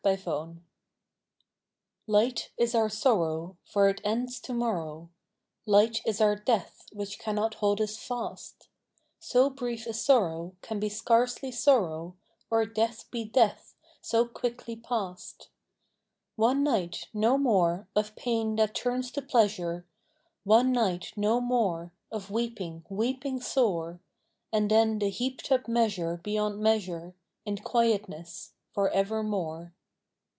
163 BRIEFNESS. T IGHT is our sorrow for it ends to morrow, Light is our death which cannot hold us fast; So brief a sorrow can be scarcely sorrow, Or death be death so quickly past. One night, no more, of pain that turns to pleasure, One night, no more, of weeping, weeping sore : And then the heaped up measure beyond measure, In quietness for evermore.